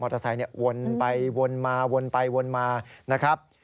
เตอร์ไซค์วนไปวนมาวนไปวนมานะครับ